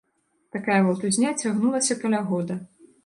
Такая валтузня цягнулася каля года.